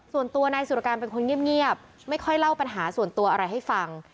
ส่วนตัวนายสุรการเป็นคนเงียบไม่ค่อยเล่าปัญหาส่วนตัวอะไรให้ฟัง